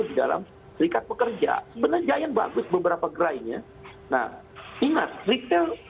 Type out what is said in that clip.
di dalam serikat pekerja sebenarnya jayanya bagus beberapa gerainya nah ingat ritel hal ini harus diberikan ke daerah yang lain